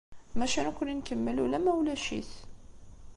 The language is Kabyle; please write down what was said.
Maca nekkni nkemmel, ula ma ulac-it.